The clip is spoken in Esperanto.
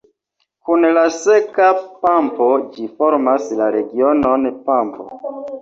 Kun la Seka Pampo ĝi formas la regionon Pampo.